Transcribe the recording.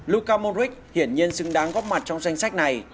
luca mondric hiển nhiên xứng đáng góp mặt trong danh sách này